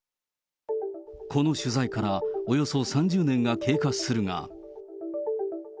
この取材からおよそ３０年が経過するが。